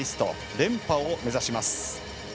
連覇を目指します。